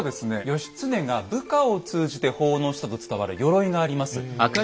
義経が部下を通じて奉納したと伝わる鎧があります。